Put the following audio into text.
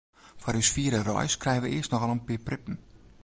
Foar ús fiere reis krije wy earst noch al in pear prippen.